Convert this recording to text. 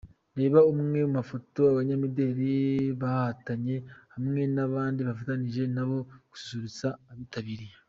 Reba amwe mu mafoto y'abanyamideri bahatanye hamwe n'abandi bafatanije nabo gususurutsa abitabiriye .